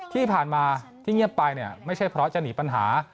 ที่ผ่านมาที่เงียบไปเนี่ยไม่ใช่เพราะจะหนีปัญหา